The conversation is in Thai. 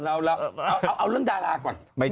เอาเรื่องดาราก่อน